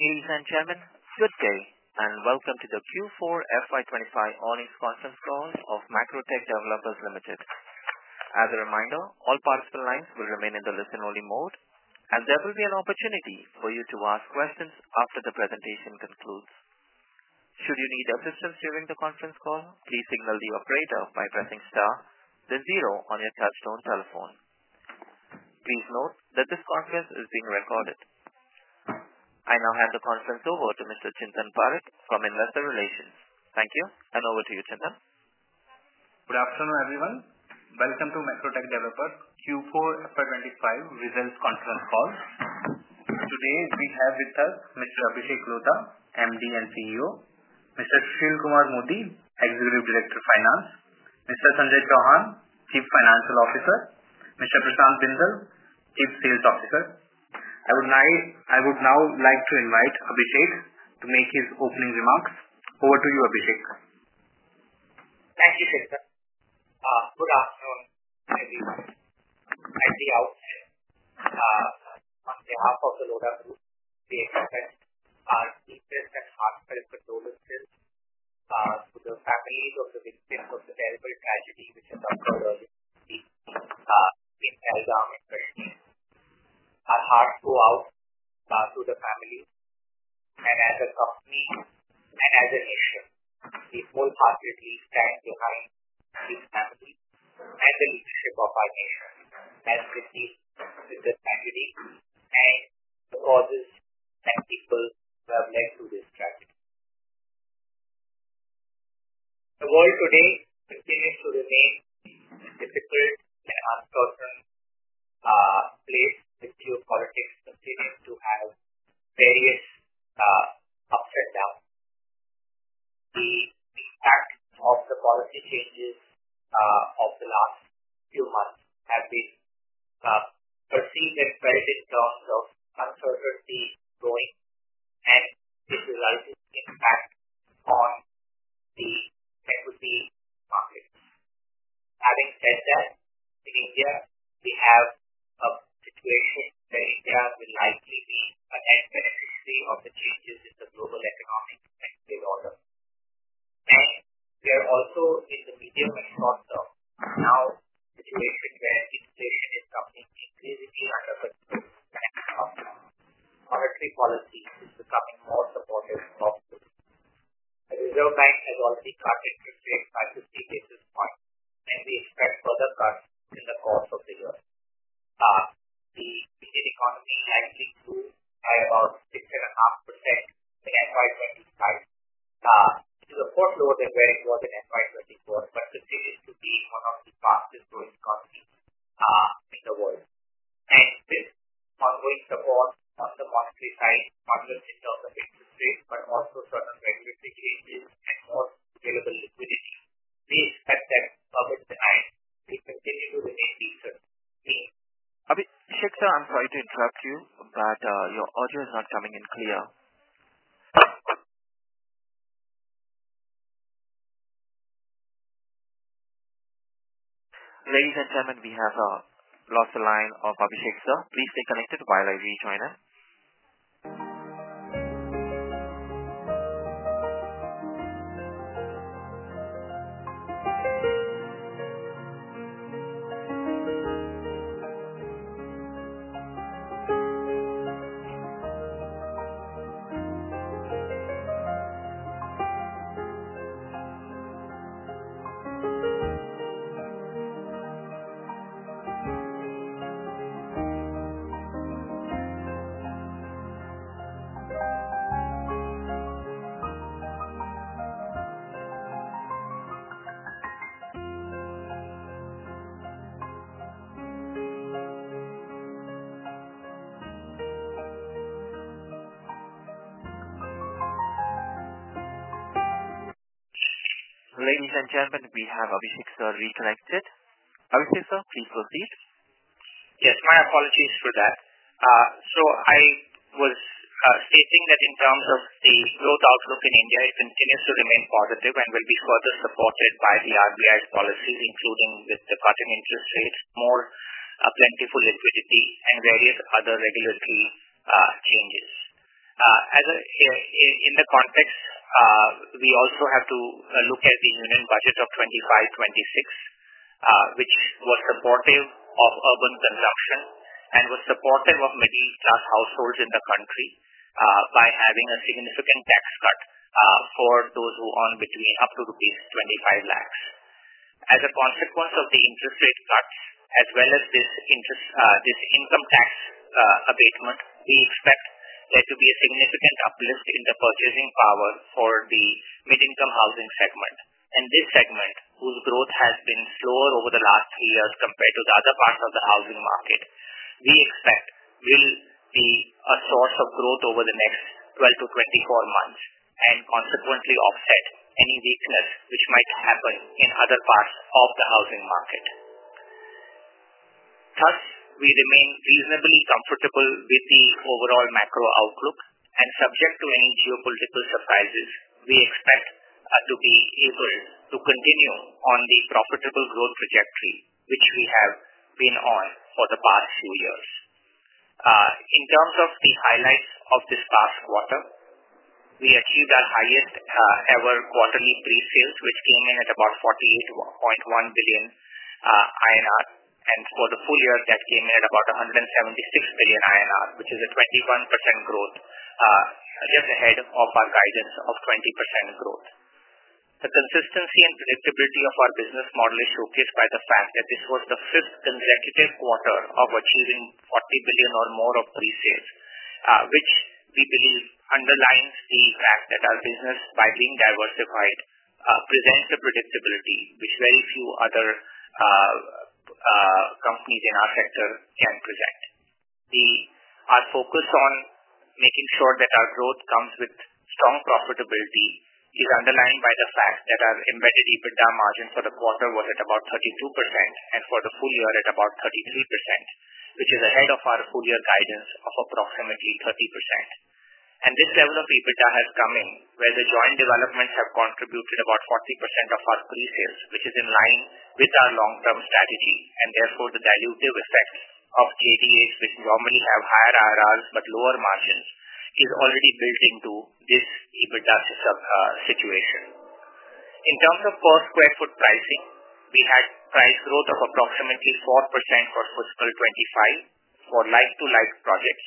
Ladies and gentlemen, good day and welcome to the Q4 FY 2025 earnings conference call of Macrotech Developers Limited. As a reminder, all participant lines will remain in the listen-only mode, and there will be an opportunity for you to ask questions after the presentation concludes. Should you need assistance during the conference call, please signal the operator by pressing star, then zero on your touch-tone telephone. Please note that this conference is being recorded. I now hand the conference over to Mr. Chintan Parekh from Investor Relations. Thank you, and over to you, Chintan. Good afternoon, everyone. Welcome to Macrotech Developers Q4 FY 2025 results conference call. Today we have with us Mr. Abhishek Lodha, MD and CEO, Mr. Sushil Modi, Executive Director, Finance, Mr. Sanjay Chauhan, Chief Financial Officer, Mr. Prashant Bindal, Chief Sales Officer. I would now like to invite Abhishek to make his opening remarks. Over to you, Abhishek. Thank you, Chintan. Good afternoon. At the outset, on behalf of the Lodha Group, we express our deepest and heartfelt condolences to the families of the victims of the terrible tragedy which has occurred in Kulgam and Kashmir. Our hearts go out to the families. As a company and as a nation, we wholeheartedly stand behind these families and the leadership of our nation as we deal with the tragedy and the causes and people who have led to this tragedy. The world today continues to remain in a difficult and uncertain place, with geopolitics continuing to have various ups and downs. The impact of the policy changes of the last few months has been perceived as very big in terms of uncertainty growing, and this resulted in impact on the equity markets. Having said that, in India, we have a situation where India will likely be a net beneficiary of the changes in the global economic and trade order. We are also in the medium and short-term now situation where inflation is coming increasingly under control, and monetary policy is becoming more supportive of this. The Reserve Bank has already cut interest rates by 50 basis points, and we expect further cuts in the course of the year. The Indian economy likely grew by about 6.5% in FY 2025. It was a bit lower than where it was in FY 2024, but continues to be one of the fastest-growing economies in the world. With ongoing support on the monetary side, whether in terms of interest rates, but also certain regulatory changes and more available liquidity, we expect that government. I will continue to remain interested. Abhishek sir, I'm sorry to interrupt you, but your audio is not coming in clear. Ladies and gentlemen, we have lost the line of Abhishek sir. Please stay connected while I rejoin him. Ladies and gentlemen, we have Abhishek sir reconnected. Abhishek sir, please proceed. Yes, my apologies for that. I was stating that in terms of the growth outlook in India, it continues to remain positive and will be further supported by the RBI's policies, including with the cutting interest rates, more plentiful liquidity, and various other regulatory changes. In this context, we also have to look at the union budget of 2025-2026, which was supportive of urban consumption and was supportive of middle-class households in the country by having a significant tax cut for those who earn up to rupees 2.5 million. As a consequence of the interest rate cuts, as well as this income tax abatement, we expect there to be a significant uplift in the purchasing power for the mid-income housing segment. This segment, whose growth has been slower over the last three years compared to the other parts of the housing market, we expect will be a source of growth over the next 12-24 months and consequently offset any weakness which might happen in other parts of the housing market. Thus, we remain reasonably comfortable with the overall macro outlook, and subject to any geopolitical surprises, we expect to be able to continue on the profitable growth trajectory which we have been on for the past few years. In terms of the highlights of this past quarter, we achieved our highest-ever quarterly pre-sales, which came in at about 48.1 billion INR, and for the full year, that came in at about 176 billion INR, which is a 21% growth, just ahead of our guidance of 20% growth. The consistency and predictability of our business model is showcased by the fact that this was the fifth consecutive quarter of achieving 40 billion or more of pre-sales, which we believe underlines the fact that our business, by being diversified, presents a predictability which very few other companies in our sector can present. Our focus on making sure that our growth comes with strong profitability is underlined by the fact that our embedded EBITDA margin for the quarter was at about 32%, and for the full year, at about 33%, which is ahead of our full-year guidance of approximately 30%. This level of EBITDA has come in where the joint developments have contributed about 40% of our pre-sales, which is in line with our long-term strategy, and therefore the dilutive effect of JDAs, which normally have higher IRRs but lower margins, is already built into this EBITDA situation. In terms of per sq ft pricing, we had price growth of approximately 4% for fiscal 2025 for like-to-like projects,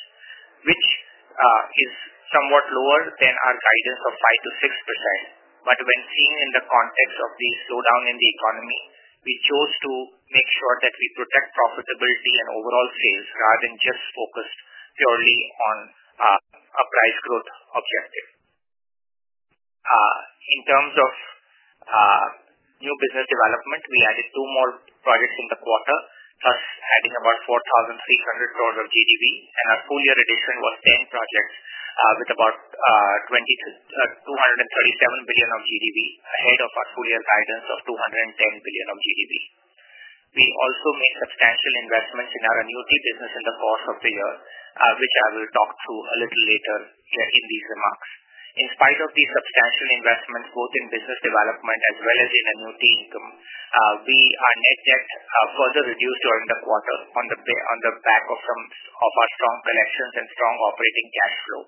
which is somewhat lower than our guidance of 5%-6%. When seen in the context of the slowdown in the economy, we chose to make sure that we protect profitability and overall sales rather than just focus purely on a price growth objective. In terms of new business development, we added two more projects in the quarter, thus adding about 43 billion of GDV, and our full-year addition was 10 projects with about 237 billion of GDV, ahead of our full-year guidance of 210 billion of GDV. We also made substantial investments in our annuity business in the course of the year, which I will talk to a little later in these remarks. In spite of these substantial investments, both in business development as well as in annuity income, our net debt further reduced during the quarter on the back of some of our strong collections and strong operating cash flow.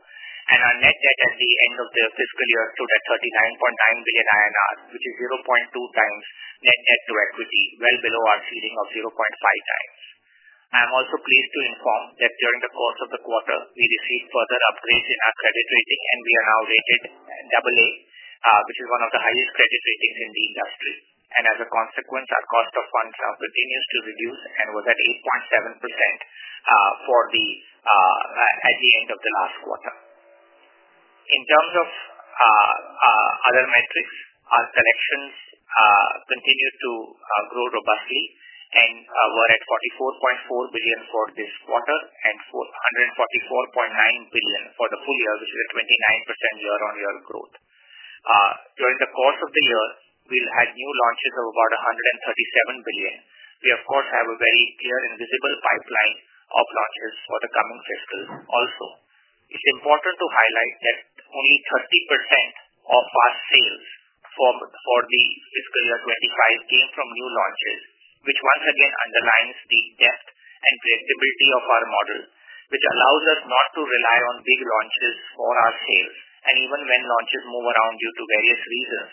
Our net debt at the end of the fiscal year stood at 39.9 billion INR, which is 0.2 times net debt to equity, well below our ceiling of 0.5 times. I am also pleased to inform that during the course of the quarter, we received further upgrades in our credit rating, and we are now rated AA, which is one of the highest credit ratings in the industry. As a consequence, our cost of funds continues to reduce and was at 8.7% at the end of the last quarter. In terms of other metrics, our collections continued to grow robustly and were at 44.4 billion for this quarter and 144.9 billion for the full year, which is a 29% year-on-year growth. During the course of the year, we had new launches of about 137 billion. We, of course, have a very clear and visible pipeline of launches for the coming fiscal also. It is important to highlight that only 30% of our sales for the fiscal year 2025 came from new launches, which once again underlines the depth and predictability of our model, which allows us not to rely on big launches for our sales. Even when launches move around due to various reasons,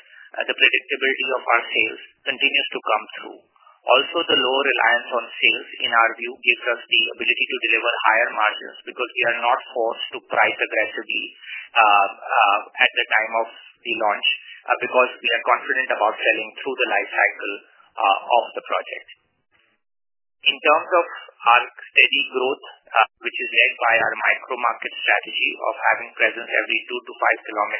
the predictability of our sales continues to come through. Also, the low reliance on sales, in our view, gives us the ability to deliver higher margins because we are not forced to price aggressively at the time of the launch because we are confident about selling through the life cycle of the project. In terms of our steady growth, which is led by our micro-market strategy of having presence every 2 km-5 km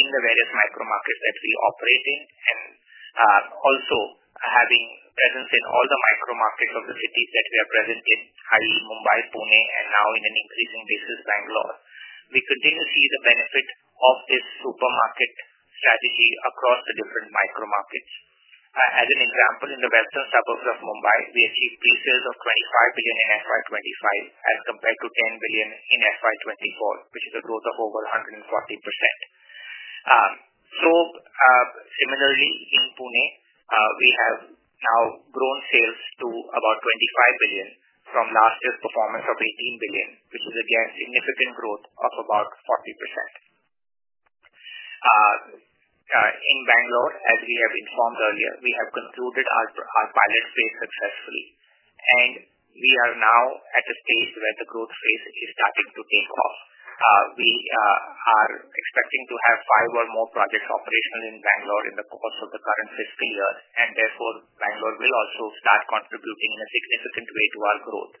in the various micro-markets that we operate in, and also having presence in all the micro-markets of the cities that we are present in, i.e., Mumbai, Pune, and now on an increasing basis, Bangalore, we continue to see the benefit of this supermarket strategy across the different micro-markets. As an example, in the western suburbs of Mumbai, we achieved pre-sales of 25 billion in FY 2025 as compared to 10 billion in FY 2024, which is a growth of over 140%. Similarly, in Pune, we have now grown sales to about 25 billion from last year's performance of 18 billion, which is, again, significant growth of about 40%. In Bangalore, as we have informed earlier, we have concluded our pilot phase successfully, and we are now at a stage where the growth phase is starting to take off. We are expecting to have five or more projects operational in Bangalore in the course of the current fiscal year, and therefore Bangalore will also start contributing in a significant way to our growth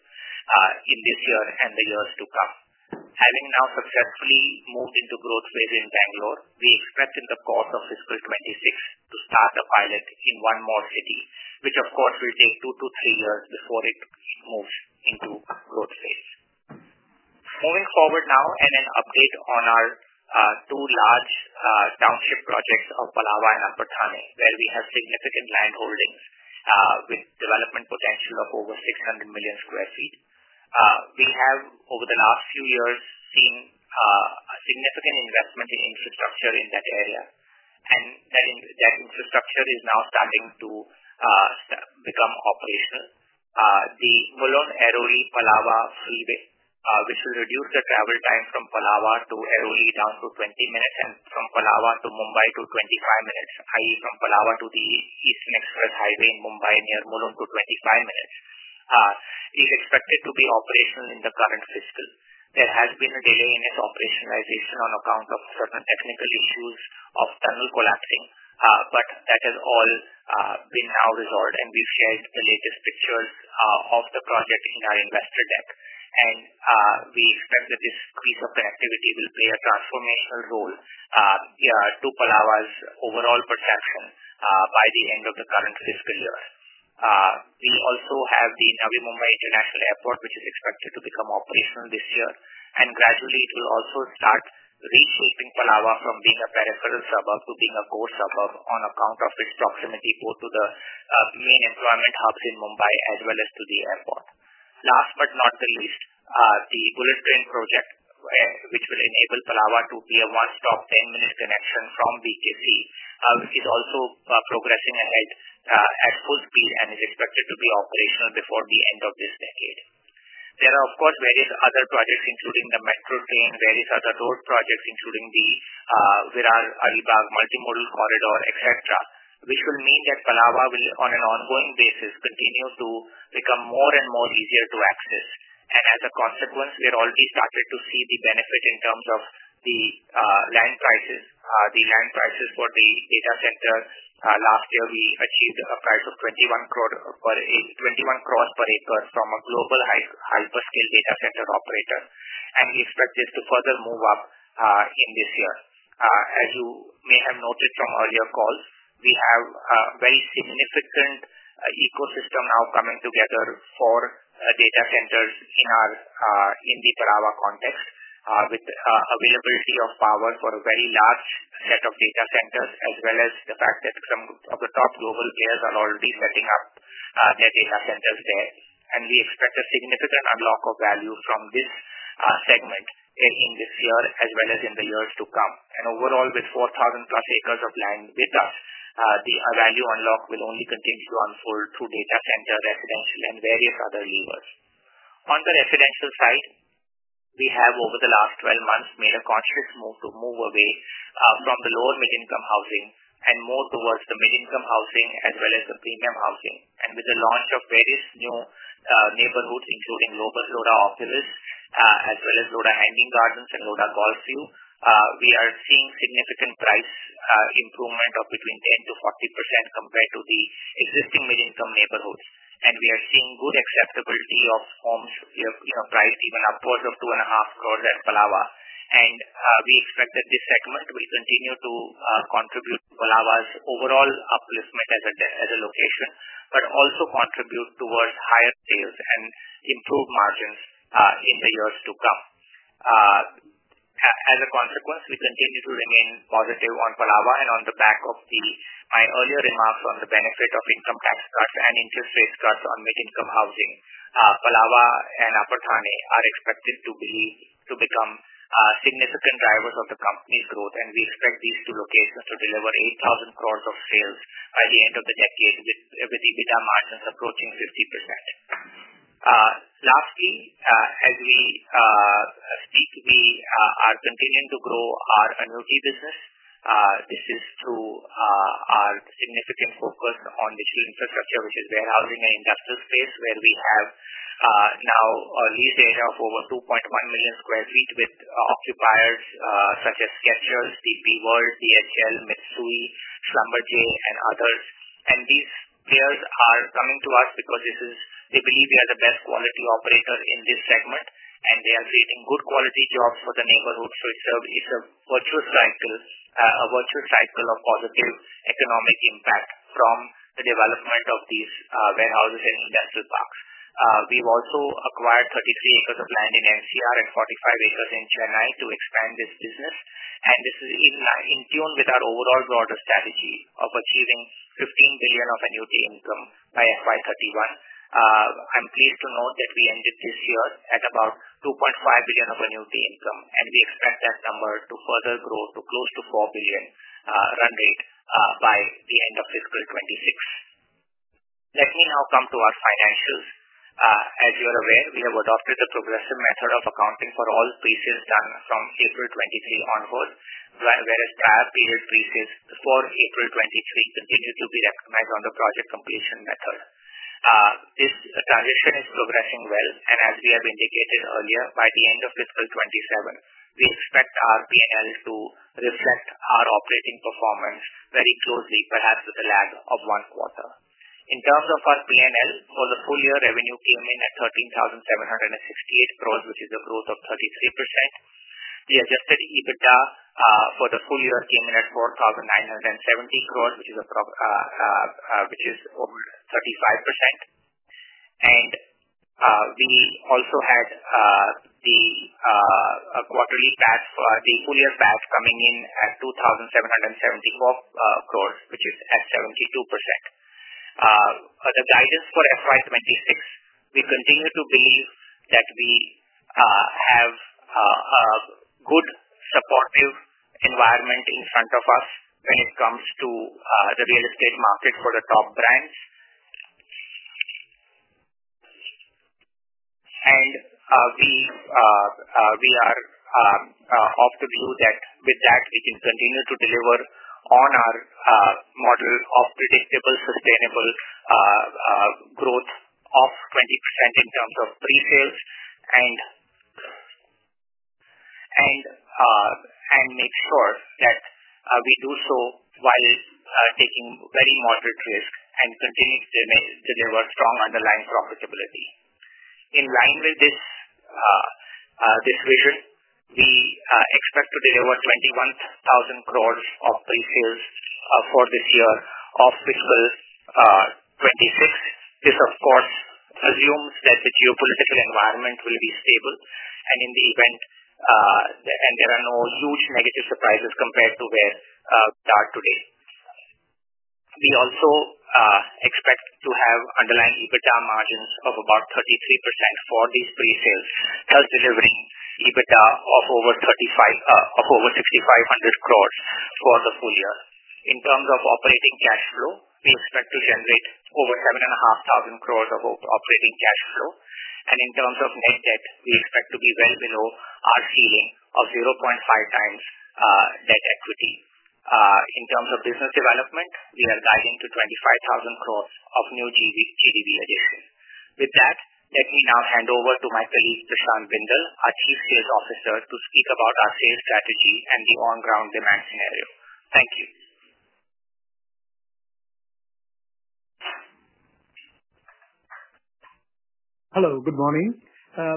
in this year and the years to come. Having now successfully moved into growth phase in Bangalore, we expect in the course of fiscal 2026 to start a pilot in one more city, which, of course, will take two to three years before it moves into growth phase. Moving forward now, and an update on our two large township projects of Palava and Amprapthana, where we have significant land holdings with development potential of over 600 million sq ft. We have, over the last few years, seen significant investment in infrastructure in that area, and that infrastructure is now starting to become operational. The Mulund-Airoli-Palava freeway, which will reduce the travel time from Palava to Airoli down to 20 minutes, and from Palava to Mumbai to 25 minutes, that is, from Palava to the Eastern Express Highway in Mumbai near Mulund to 25 minutes, is expected to be operational in the current fiscal. There has been a delay in its operationalization on account of certain technical issues of tunnel collapsing, but that has all been now resolved, and we've shared the latest pictures of the project in our investor deck. We expect that this piece of connectivity will play a transformational role to Palava's overall perception by the end of the current fiscal year. We also have the Navi Mumbai International Airport, which is expected to become operational this year, and gradually it will also start reshaping Palava from being a peripheral suburb to being a core suburb on account of its proximity both to the main employment hubs in Mumbai as well as to the airport. Last but not the least, the bullet train project, which will enable Palava to be a one-stop, 10-minute connection from BKC, is also progressing ahead at full speed and is expected to be operational before the end of this decade. There are, of course, various other projects, including the metro train, various other road projects, including the Virar-Alibag multimodal corridor, etc., which will mean that Palava will, on an ongoing basis, continue to become more and more easier to access. As a consequence, we have already started to see the benefit in terms of the land prices. The land prices for the data center, last year we achieved a price of 210,000,000 per acre from a global hyperscale data center operator, and we expect this to further move up in this year. As you may have noted from earlier calls, we have a very significant ecosystem now coming together for data centers in the Palava context, with availability of power for a very large set of data centers, as well as the fact that some of the top global players are already setting up their data centers there. We expect a significant unlock of value from this segment in this year as well as in the years to come. Overall, with 4,000+ acres of land with us, the value unlock will only continue to unfold through data center, residential, and various other levers. On the residential side, we have, over the last 12 months, made a conscious move to move away from the lower-mid-income housing and more towards the mid-income housing as well as the premium housing. With the launch of various new neighborhoods, including Lodha Opulenza as well as Lodha Hanging Gardens and Lodha Golfview, we are seeing significant price improvement of between 10%-40% compared to the existing mid-income neighborhoods. We are seeing good acceptability of homes priced even upwards of 25,000,000 at Palava. We expect that this segment will continue to contribute to Palava's overall upliftment as a location, but also contribute towards higher sales and improved margins in the years to come. As a consequence, we continue to remain positive on Palava, and on the back of my earlier remarks on the benefit of income tax cuts and interest rate cuts on mid-income housing, Palava and Upper Thane are expected to become significant drivers of the company's growth, and we expect these two locations to deliver 8,000 crore of sales by the end of the decade, with EBITDA margins approaching 50%. Lastly, as we speak, we are continuing to grow our annuity business. This is through our significant focus on digital infrastructure, which is warehousing and industrial space, where we have now a lease area of over 2.1 million sq ft with occupiers such as Skechers, DP World, DHL, Mitsui, Schlumberger, and others. These players are coming to us because they believe we are the best quality operator in this segment, and they are creating good quality jobs for the neighborhood, so it is a virtuous cycle of positive economic impact from the development of these warehouses and industrial parks. We have also acquired 33 acres of land in MMR and 45 acres in Chennai to expand this business, and this is in tune with our overall broader strategy of achieving 15 billion of annuity income by FY 2031. I'm pleased to note that we ended this year at about 2.5 billion of annuity income, and we expect that number to further grow to close to 4 billion run rate by the end of fiscal 2026. Let me now come to our financials. As you are aware, we have adopted the progressive method of accounting for all pre-sales done from April 2023 onward, whereas prior period pre-sales for April 2023 continue to be recognized on the project completion method. This transition is progressing well, and as we have indicated earlier, by the end of fiscal 2027, we expect our P&L to reflect our operating performance very closely, perhaps with a lag of one quarter. In terms of our P&L, for the full year, revenue came in at 13,768 crore, which is a growth of 33%. The Adjusted EBITDA for the full year came in at 4,970 crore, which is over 35%. We also had the full year PAT coming in at 2,774 crore, which is at 72%. The guidance for FY 2026, we continue to believe that we have a good supportive environment in front of us when it comes to the real estate market for the top brands. We are of the view that with that, we can continue to deliver on our model of predictable sustainable growth of 20% in terms of pre-sales and make sure that we do so while taking very moderate risk and continue to deliver strong underlying profitability. In line with this vision, we expect to deliver 21,000 crore of pre-sales for this year of fiscal 2026. This, of course, assumes that the geopolitical environment will be stable, and in the event, there are no huge negative surprises compared to where we are today. We also expect to have underlying EBITDA margins of about 33% for these pre-sales, thus delivering EBITDA of over 6,500 crore for the full year. In terms of operating cash flow, we expect to generate over 7,500 crore of operating cash flow. In terms of net debt, we expect to be well below our ceiling of 0.5 times net equity. In terms of business development, we are guiding to 25,000 crore of new GDV addition. With that, let me now hand over to my colleague, Prashant Bindal, our Chief Sales Officer, to speak about our sales strategy and the on-ground demand scenario. Thank you. Hello, good morning. Hi,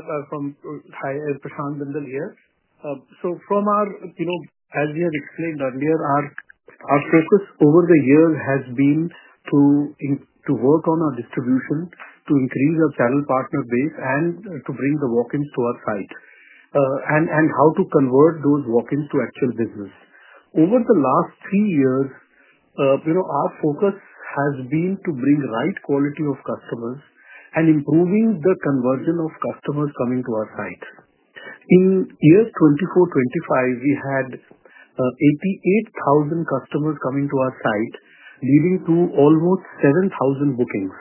Prashant Bindal here. As we have explained earlier, our focus over the years has been to work on our distribution, to increase our channel partner base, and to bring the walk-ins to our site, and how to convert those walk-ins to actual business. Over the last three years, our focus has been to bring the right quality of customers and improving the conversion of customers coming to our site. In 2024-2025, we had 88,000 customers coming to our site, leading to almost 7,000 bookings.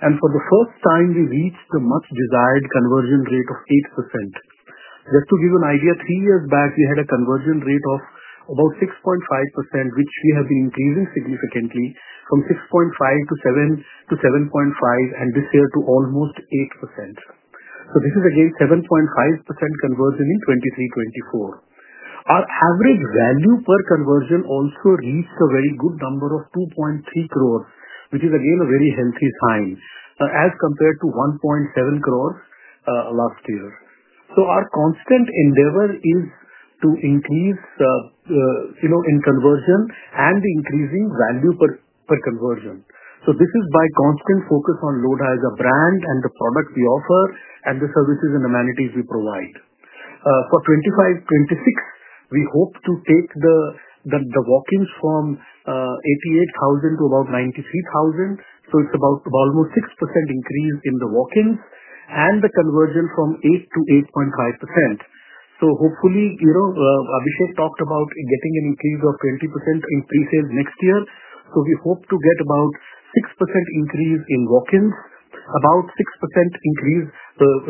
For the first time, we reached the much-desired conversion rate of 8%. Just to give you an idea, three years back, we had a conversion rate of about 6.5%, which we have been increasing significantly from 6.5% to 7.5%, and this year to almost 8%. This is, again, 7.5% conversion in 2023-2024. Our average value per conversion also reached a very good number of 23 million, which is, again, a very healthy sign as compared to 17 million last year. Our constant endeavor is to increase in conversion and increasing value per conversion. This is by constant focus on Lodha as a brand and the product we offer and the services and amenities we provide. For 2025-2026, we hope to take the walk-ins from 88,000 to about 93,000, so it is about almost 6% increase in the walk-ins and the conversion from 8% to 8.5%. Hopefully, Abhishek talked about getting an increase of 20% in pre-sales next year. We hope to get about 6% increase in walk-ins, about 6% increase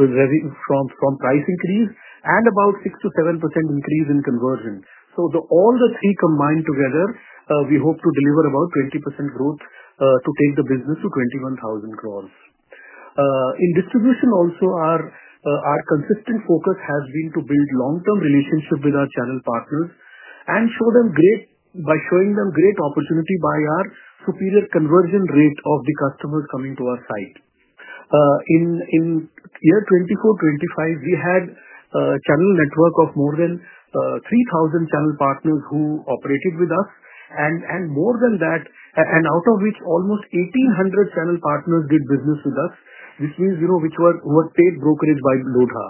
from price increase, and about 6%-7% increase in conversion. All the three combined together, we hope to deliver about 20% growth to take the business to 21,000 crore. In distribution, also, our consistent focus has been to build long-term relationships with our channel partners and show them great opportunity by our superior conversion rate of the customers coming to our site. In year 2024-2025, we had a channel network of more than 3,000 channel partners who operated with us, and more than that, and out of which almost 1,800 channel partners did business with us, which were paid brokerage by Lodha.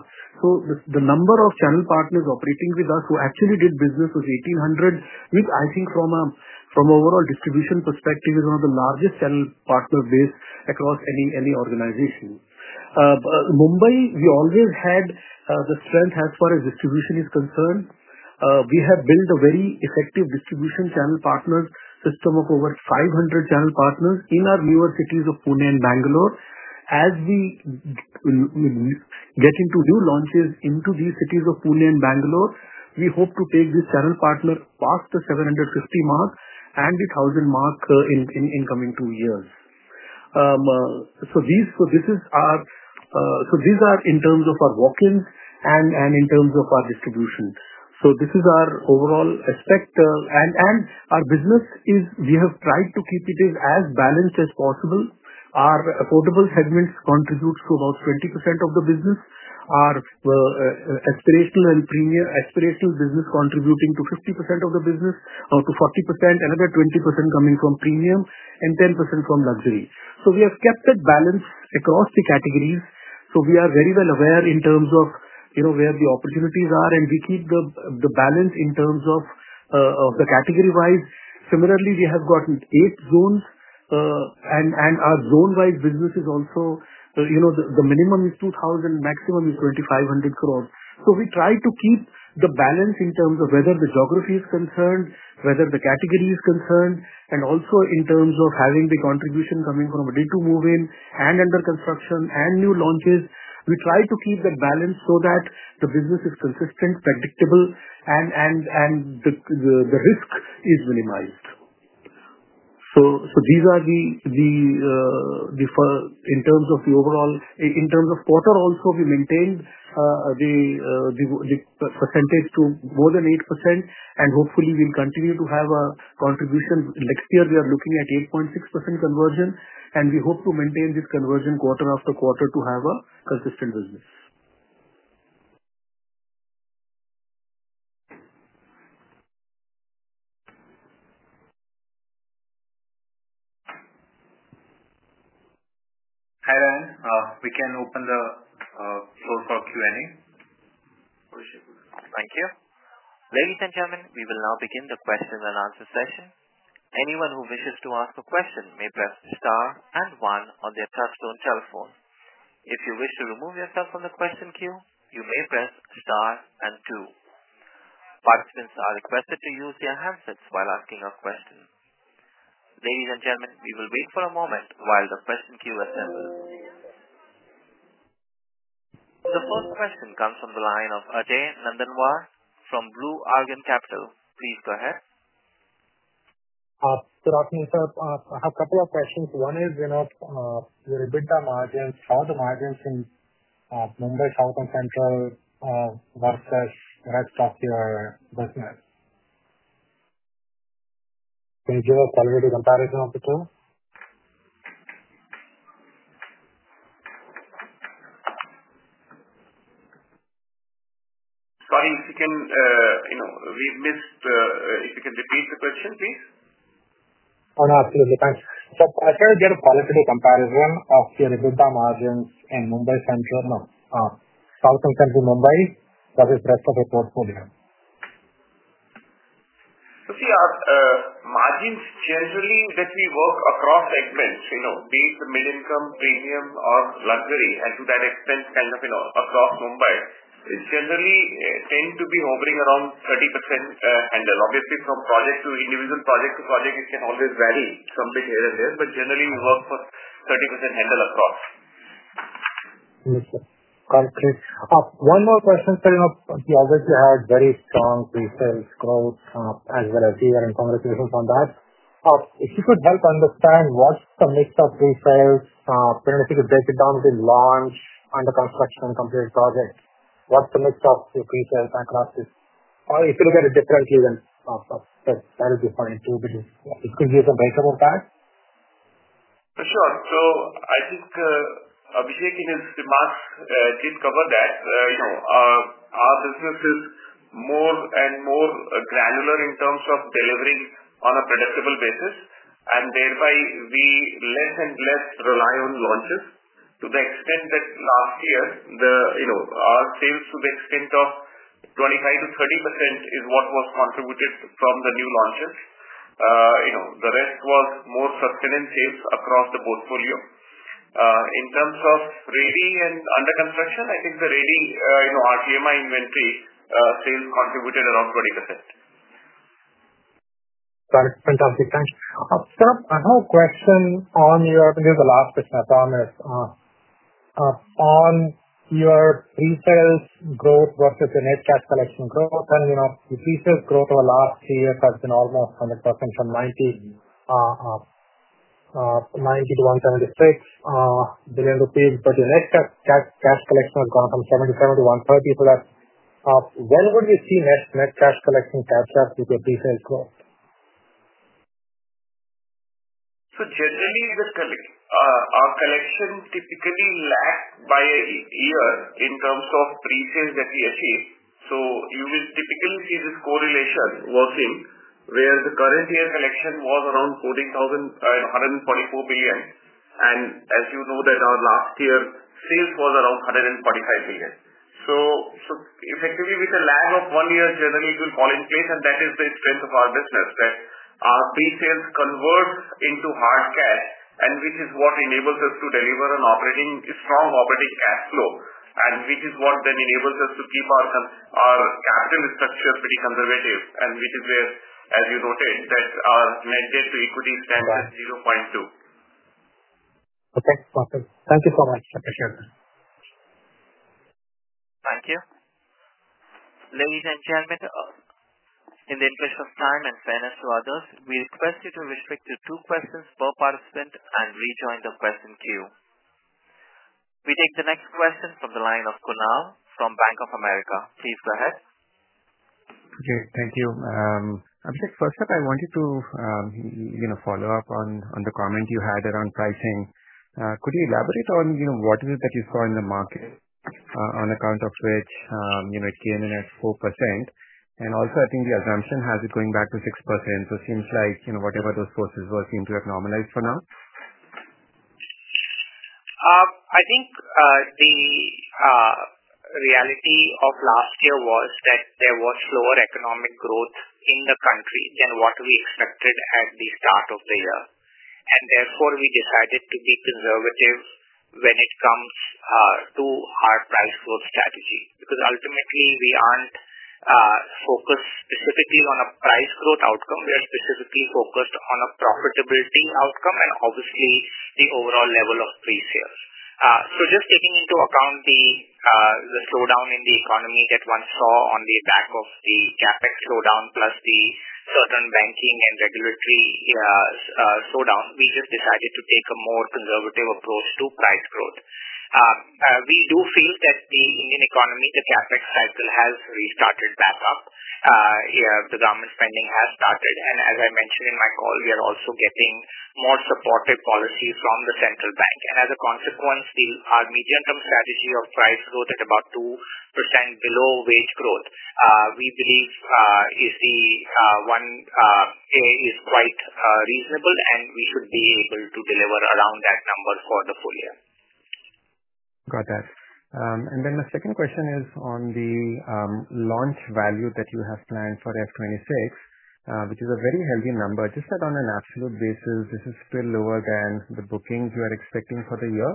The number of channel partners operating with us who actually did business was 1,800, which I think, from an overall distribution perspective, is one of the largest channel partner base across any organization. Mumbai, we always had the strength as far as distribution is concerned. We have built a very effective distribution channel partner system of over 500 channel partners in our newer cities of Pune and Bangalore. As we get into new launches into these cities of Pune and Bangalore, we hope to take this channel partner past the 750 mark and the 1,000 mark in coming two years. These are in terms of our walk-ins and in terms of our distribution. This is our overall aspect, and our business is we have tried to keep it as balanced as possible. Our affordable segments contribute to about 20% of the business. Our aspirational business is contributing to 50% of the business, up to 40%, another 20% coming from premium, and 10% from luxury. We have kept that balance across the categories. We are very well aware in terms of where the opportunities are, and we keep the balance in terms of the category-wise. Similarly, we have got eight zones, and our zone-wise business is also the minimum is 2,000 crore, maximum is 2,500 crore. We try to keep the balance in terms of whether the geography is concerned, whether the category is concerned, and also in terms of having the contribution coming from ready-to-move-in and under construction and new launches. We try to keep that balance so that the business is consistent, predictable, and the risk is minimized. These are the in terms of the overall in terms of quarter, also, we maintained the percentage to more than 8%, and hopefully, we'll continue to have a contribution. Next year, we are looking at 8.6% conversion, and we hope to maintain this conversion quarter after quarter to have a consistent business. Hi there. We can open the floor for Q&A. Abhishek would. Thank you. Ladies and gentlemen, we will now begin the question-and-answer session. Anyone who wishes to ask a question may press star and one on their touchstone telephone. If you wish to remove yourself from the question queue, you may press star and two. Participants are requested to use their handsets while asking a question. Ladies and gentlemen, we will wait for a moment while the question queue assembles. The first question comes from the line of Ajay Nandanwar from Blue Argon Capital. Please go ahead. Good afternoon, sir. I have a couple of questions. One is your EBITDA margins, how the margins in Mumbai South and Central versus the rest of your business. Can you give a qualitative comparison of the two? Sorry, if you can repeat the question, please. Oh, no, absolutely. Thanks. I'll try to get a qualitative comparison of your EBITDA margins in Mumbai Central, South and Central Mumbai, versus the rest of your portfolio. See, our margins generally that we work across segments, be it the mid-income, premium, or luxury, and to that extent kind of across Mumbai, it generally tends to be hovering around 30% handle. Obviously, from project to individual, project to project, it can always vary some bit here and there, but generally, we work for 30% handle across. Understood. One more question, sir. You obviously had very strong pre-sales growth as well as year-end conversations on that. If you could help understand what's the mix of pre-sales, I think you break it down within launch, under construction, completed project, what's the mix of pre-sales and across this? If you look at it differently, then that would be fine too, but could you give some breakup of that? Sure. I think Abhishek and his remarks did cover that. Our business is more and more granular in terms of delivering on a predictable basis, and thereby, we less and less rely on launches. To the extent that last year, our sales to the extent of 25%-30% is what was contributed from the new launches. The rest was more sustained sales across the portfolio. In terms of ready and under construction, I think the ready RTMI inventory sales contributed around 20%. Got it. Fantastic. Thanks. Sir, I have a question on your this is the last question, I promise. On your pre-sales growth versus your net cash collection growth, and your pre-sales growth over the last three years has been almost 100% from 90 billion rupees to 176 billion rupees, but your net cash collection has gone from 77 billion to 130 billion. When would you see net cash collection catch up with your pre-sales growth? Generally, our collection typically lags by a year in terms of pre-sales that we achieve. You will typically see this correlation working where the current year collection was around 144 billion, and as you know, our last year sales was around 145 billion. Effectively, with a lag of one year, generally, it will fall in place, and that is the strength of our business, that our pre-sales converts into hard cash, which is what enables us to deliver a strong operating cash flow, which is what then enables us to keep our capital structure pretty conservative, which is where, as you noted, our net debt to equity stands at 0.2. Okay. Perfect. Thank you so much. Appreciate that. Thank you. Ladies and gentlemen, in the interest of time and fairness to others, we request you to restrict to two questions per participant and rejoin the question queue. We take the next question from the line of Kunal from Bank of America. Please go ahead. Okay. Thank you. Abhishek, first up, I wanted to follow up on the comment you had around pricing. Could you elaborate on what is it that you saw in the market on account of which it came in at 4%? Also, I think the assumption has it going back to 6%. It seems like whatever those sources were, it seemed to have normalized for now. I think the reality of last year was that there was slower economic growth in the country than what we expected at the start of the year. Therefore, we decided to be conservative when it comes to our price growth strategy because ultimately, we are not focused specifically on a price growth outcome. We are specifically focused on a profitability outcome and obviously, the overall level of pre-sales. Just taking into account the slowdown in the economy that one saw on the back of the CapEx slowdown plus the certain banking and regulatory slowdown, we just decided to take a more conservative approach to price growth. We do feel that the Indian economy, the CapEx cycle has restarted back up. The government spending has started. As I mentioned in my call, we are also getting more supportive policies from the central bank. As a consequence, our medium-term strategy of price growth at about 2% below wage growth, we believe, is the one that is quite reasonable, and we should be able to deliver around that number for the full year. Got that. My second question is on the launch value that you have planned for FY 2026, which is a very healthy number. Just on an absolute basis, this is still lower than the bookings you are expecting for the year.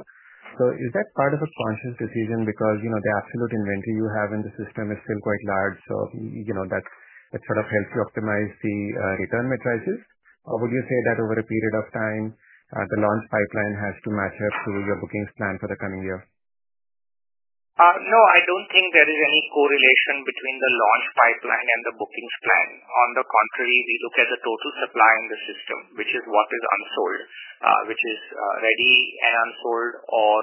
Is that part of a conscious decision because the absolute inventory you have in the system is still quite large? That sort of helps you optimize the return metrics. Would you say that over a period of time, the launch pipeline has to match up to your bookings plan for the coming year? No, I do not think there is any correlation between the launch pipeline and the bookings plan. On the contrary, we look at the total supply in the system, which is what is unsold, which is ready and unsold or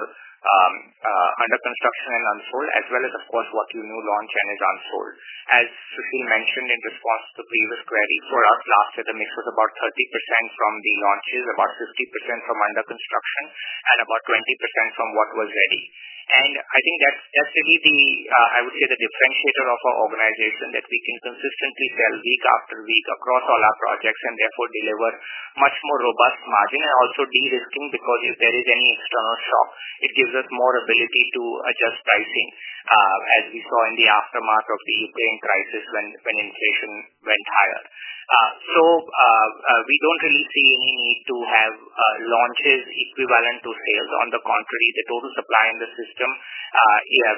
under construction and unsold, as well as, of course, what you new launch and is unsold. As Sushil mentioned in response to the previous query, for us last year, the mix was about 30% from the launches, about 50% from under construction, and about 20% from what was ready. I think that's really the, I would say, the differentiator of our organization that we can consistently sell week after week across all our projects and therefore deliver much more robust margin and also de-risking because if there is any external shock, it gives us more ability to adjust pricing as we saw in the aftermath of the Ukraine crisis when inflation went higher. We do not really see any need to have launches equivalent to sales. On the contrary, the total supply in the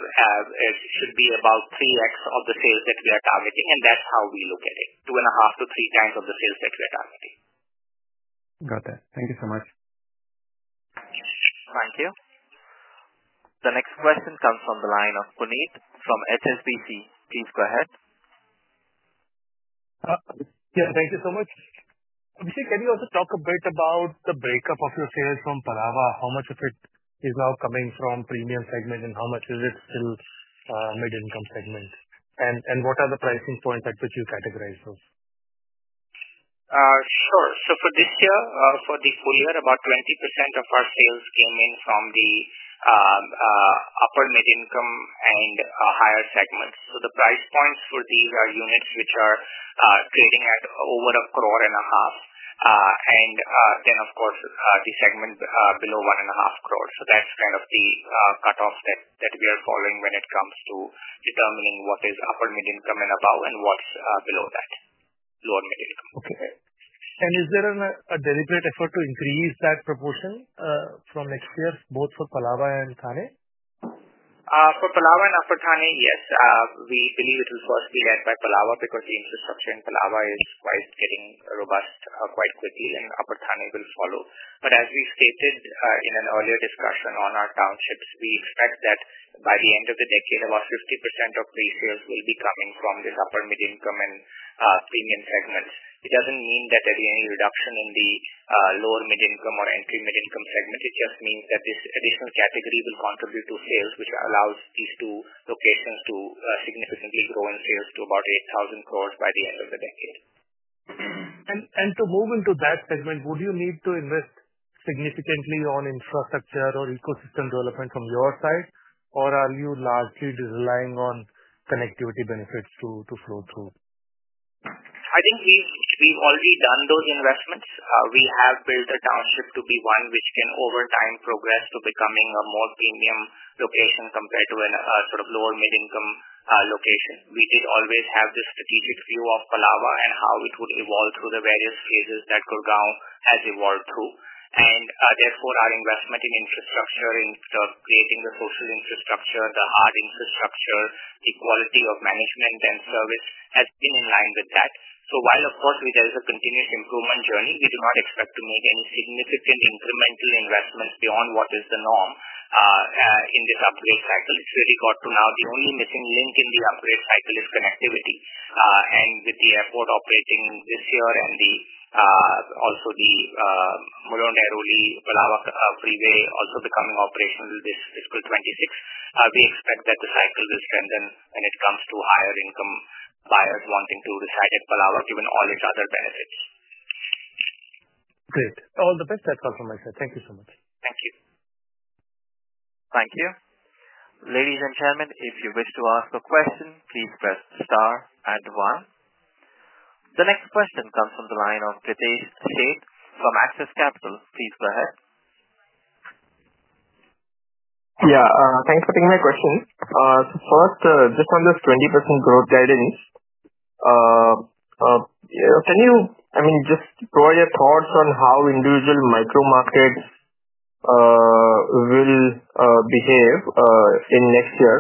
system should be about 3X of the sales that we are targeting, and that's how we look at it, two and a half to three times of the sales that we are targeting. Got that. Thank you so much. Thank you. The next question comes from the line of Puneet from HSBC. Please go ahead. Yeah. Thank you so much. Abhishek, can you also talk a bit about the breakup of your sales from Palava? How much of it is now coming from premium segment, and how much is it still mid-income segment? What are the pricing points at which you categorize those? Sure. For this year, for the full year, about 20% of our sales came in from the upper mid-income and higher segments. The price points for these are units which are trading at over 15,000,000. Of course, the segment below 15,000,000. That is kind of the cutoff that we are following when it comes to determining what is upper mid-income and above and what is below that, lower mid-income. Okay. Is there a deliberate effort to increase that proportion from next year, both for Palava and Thane? For Palava and Upper Thane, yes. We believe it will first be led by Palava because the infrastructure in Palava is getting robust quite quickly, and Upper Thane will follow. As we stated in an earlier discussion on our townships, we expect that by the end of the decade, about 50% of pre-sales will be coming from this upper mid-income and premium segments. It does not mean that there will be any reduction in the lower mid-income or entry mid-income segment. It just means that this additional category will contribute to sales, which allows these two locations to significantly grow in sales to about 8,000 crore by the end of the decade. To move into that segment, would you need to invest significantly on infrastructure or ecosystem development from your side, or are you largely relying on connectivity benefits to flow through? I think we have already done those investments. We have built a township to be one which can over time progress to becoming a more premium location compared to a sort of lower mid-income location. We did always have this strategic view of Palava and how it would evolve through the various phases that Gurgaon has evolved through. Therefore, our investment in infrastructure, in creating the social infrastructure, the hard infrastructure, the quality of management and service has been in line with that. While, of course, there is a continuous improvement journey, we do not expect to make any significant incremental investments beyond what is the norm in this upgrade cycle. It's really got to now the only missing link in the upgrade cycle is connectivity. With the airport operating this year and also the Mulund-Airoli-Palava freeway also becoming operational this fiscal 2026, we expect that the cycle will strengthen when it comes to higher-income buyers wanting to reside at Palava, given all its other benefits. Great. All the best that comes from my side. Thank you so much. Thank you. Thank you. Ladies and gentlemen, if you wish to ask a question, please press star and one. The next question comes from the line of Pritesh Sheth fromAxis Capital. Please go ahead. Yeah. Thanks for taking my question. First, just on this 20% growth guidance, can you, I mean, just provide your thoughts on how individual micro markets will behave in next year?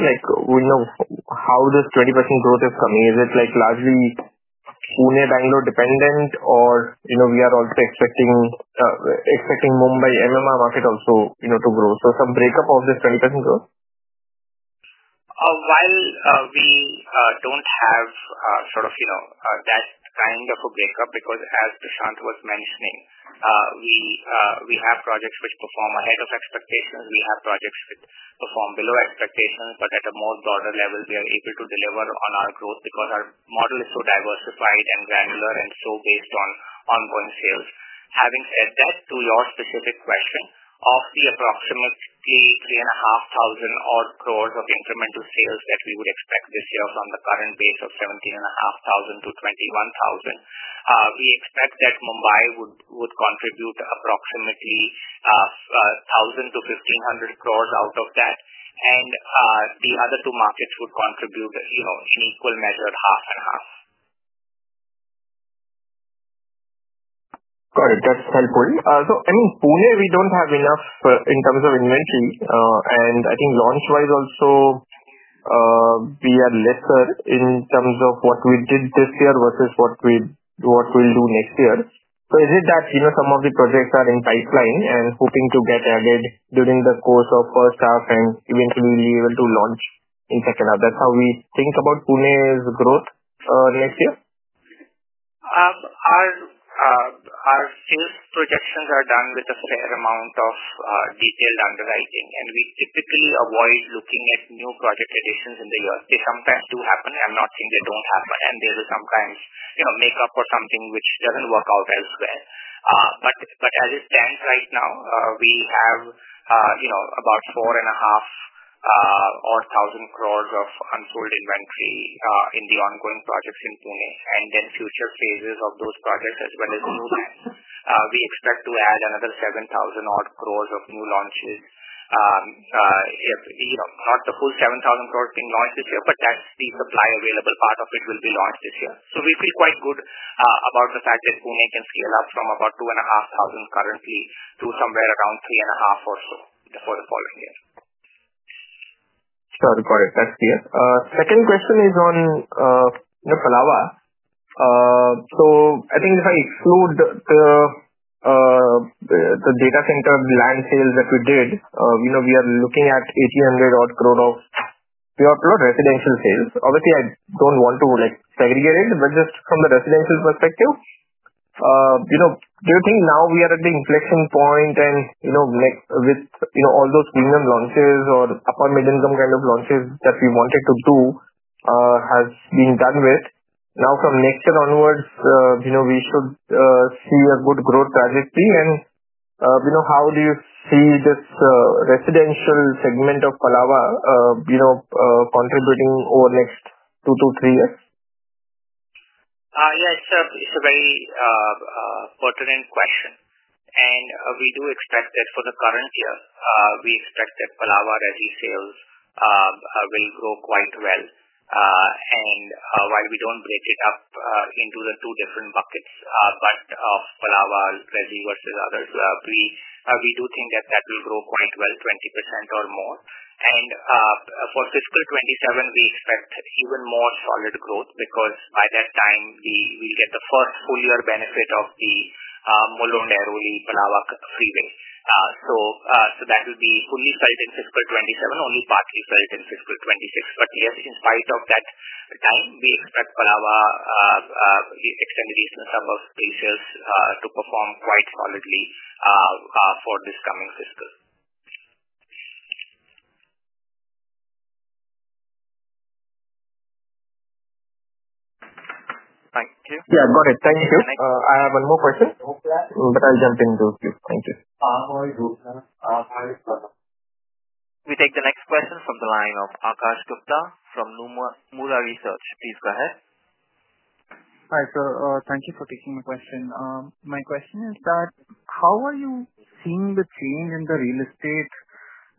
We know how this 20% growth is coming. Is it largely Pune-Bangalore dependent, or we are also expecting Mumbai MMR market also to grow? Some breakup of this 20% growth? While we do not have sort of that kind of a breakup because, as Prashant was mentioning, we have projects which perform ahead of expectations. We have projects which perform below expectations, but at a more broader level, we are able to deliver on our growth because our model is so diversified and granular and so based on ongoing sales. Having said that, to your specific question, of the approximately 3,500 crore of incremental sales that we would expect this year from the current base of 17,500 crore to 21,000 crore, we expect that Mumbai would contribute approximately 1,000-1,500 crore out of that, and the other two markets would contribute in equal measure, half and half. Got it. That's helpful. I mean, Pune, we don't have enough in terms of inventory. I think launch-wise also, we are lesser in terms of what we did this year versus what we'll do next year. Is it that some of the projects are in pipeline and hoping to get added during the course of first half and eventually be able to launch in second half? That's how we think about Pune's growth next year? Our sales projections are done with a fair amount of detailed underwriting, and we typically avoid looking at new project additions in the year. They sometimes do happen. I'm not saying they don't happen, and they will sometimes make up for something which doesn't work out elsewhere. As it stands right now, we have about 4.5 billion or 1,000 crore of unsold inventory in the ongoing projects in Pune. Future phases of those projects, as well as new lands, we expect to add another 7 billion of new launches. Not the full 7 billion being launched this year, but that's the supply available, part of which will be launched this year. We feel quite good about the fact that Pune can scale up from about 2.5 billion currently to somewhere around 3.5 billion or so for the following year. Got it. Got it. That's clear. Second question is on Palava. I think if I exclude the data center land sales that we did, we are looking at 1,800 crore of residential sales. Obviously, I don't want to segregate it, but just from the residential perspective, do you think now we are at the inflection point and with all those premium launches or upper mid-income kind of launches that we wanted to do has been done with, now from next year onwards, we should see a good growth trajectory? How do you see this residential segment of Palava contributing over next two to three years? Yeah. It's a very pertinent question. We do expect that for the current year, we expect that Palava resi sales will grow quite well. While we do not break it up into the two different buckets, of Palava resi versus others, we do think that that will grow quite well, 20% or more. For fiscal 2027, we expect even more solid growth because by that time, we will get the first full year benefit of the Mulund-Airoli-Palava freeway. That will be fully felt in fiscal 2027, only partly felt in fiscal 2026. Yes, in spite of that time, we expect Palava extended easement, some of pre-sales to perform quite solidly for this coming fiscal. Thank you. Yeah. Got it. Thank you. I have one more question, but I will jump in too. Thank you. We take the next question from the line of Akash Gupta from Nomura Research. Please go ahead. Hi, sir. Thank you for taking my question. My question is that how are you seeing the change in the real estate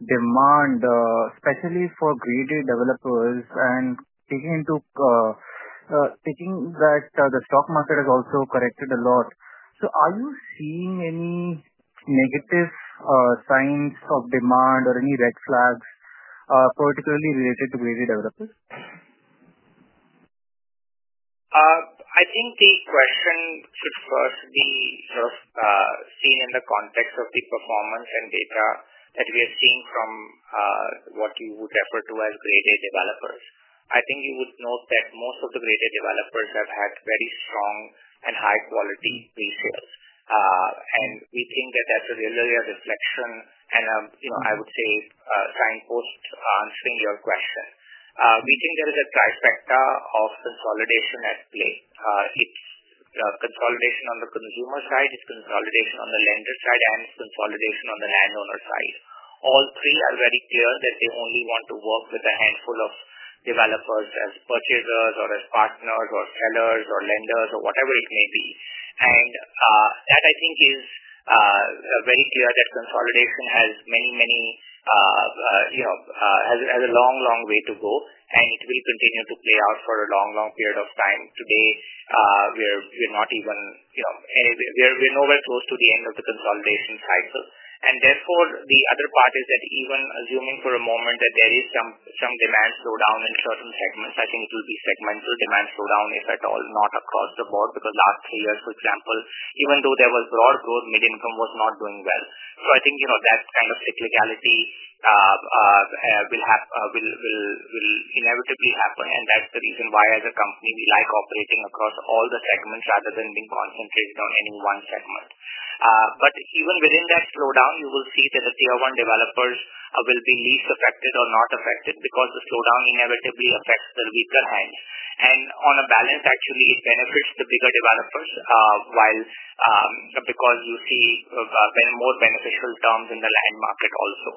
demand, especially for greedy developers and taking into taking that the stock market has also corrected a lot? Are you seeing any negative signs of demand or any red flags, particularly related to greedy developers? I think the question should first be sort of seen in the context of the performance and data that we are seeing from what you would refer to as greedy developers. I think you would note that most of the greedy developers have had very strong and high-quality pre-sales. We think that that's really a reflection and a, I would say, signpost answering your question. We think there is a trifecta of consolidation at play. It's consolidation on the consumer side, it's consolidation on the lender side, and it's consolidation on the landowner side. All three are very clear that they only want to work with a handful of developers as purchasers or as partners or sellers or lenders or whatever it may be. That, I think, is very clear that consolidation has a long, long way to go, and it will continue to play out for a long, long period of time. Today, we're not even—we're nowhere close to the end of the consolidation cycle. Therefore, the other part is that even assuming for a moment that there is some demand slowdown in certain segments, I think it will be segmental demand slowdown, if at all, not across the board because last three years, for example, even though there was broad growth, mid-income was not doing well. I think that kind of cyclicality will inevitably happen. That's the reason why, as a company, we like operating across all the segments rather than being concentrated on any one segment. Even within that slowdown, you will see that the tier one developers will be least affected or not affected because the slowdown inevitably affects the weaker hands. On a balance, actually, it benefits the bigger developers because you see more beneficial terms in the land market also.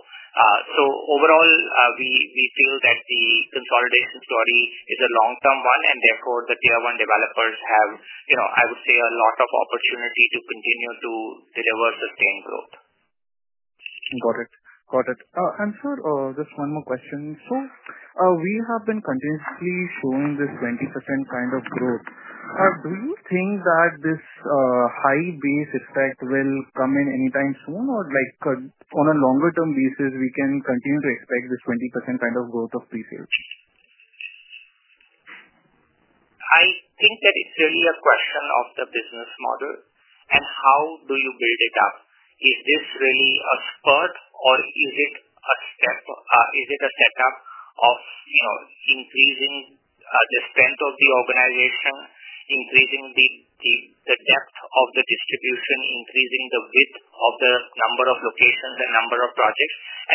Overall, we feel that the consolidation story is a long-term one, and therefore, the tier one developers have, I would say, a lot of opportunity to continue to deliver sustained growth. Got it. Got it. Sir, just one more question. We have been continuously showing this 20% kind of growth. Do you think that this high base effect will come in anytime soon, or on a longer-term basis, we can continue to expect this 20% kind of growth of pre-sales? I think that it's really a question of the business model and how do you build it up. Is this really a spurt, or is it a step? Is it a setup of increasing the strength of the organization, increasing the depth of the distribution, increasing the width of the number of locations and number of projects? I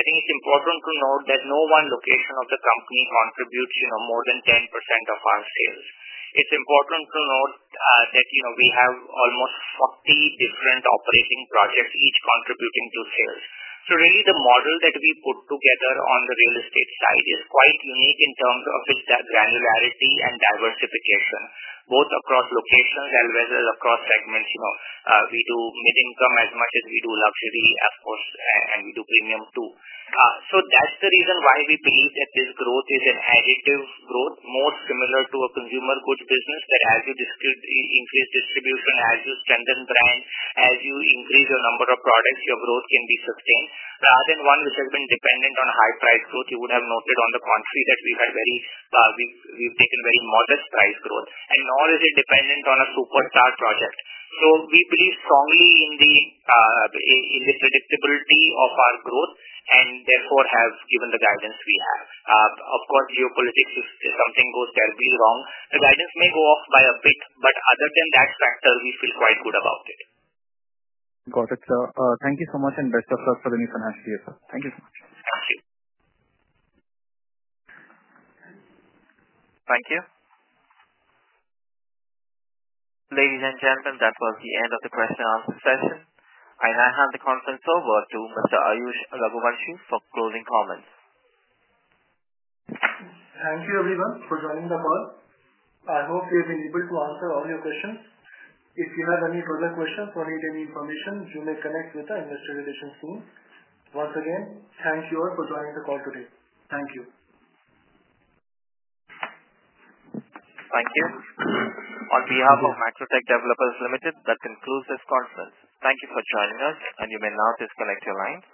think it's important to note that no one location of the company contributes more than 10% of our sales. It's important to note that we have almost 40 different operating projects, each contributing to sales. Really, the model that we put together on the real estate side is quite unique in terms of its granularity and diversification, both across locations as well as across segments. We do mid-income as much as we do luxury, of course, and we do premium too. That is the reason why we believe that this growth is an additive growth, more similar to a consumer goods business, that as you increase distribution, as you strengthen brand, as you increase your number of products, your growth can be sustained. Rather than one which has been dependent on high price growth, you would have noted on the contrary that we have taken very modest price growth, and nor is it dependent on a superstar project. We believe strongly in the predictability of our growth and therefore have given the guidance we have. Of course, geopolitics, if something goes terribly wrong, the guidance may go off by a bit, but other than that factor, we feel quite good about it. Got it, sir. Thank you so much and best of luck for the new financial year, sir. Thank you so much. Thank you. Thank you. Ladies and gentlemen, that was the end of the question-and-answer session. I now hand the conference over to Mr. Ayush Raghuvanshi for closing comments. Thank you, everyone, for joining the call. I hope we have been able to answer all your questions. If you have any further questions or need any information, you may connect with our investor relations team. Once again, thank you all for joining the call today. Thank you. Thank you. On behalf of Macrotech Developers Limited, that concludes this conference. Thank you for joining us, and you may now disconnect your line.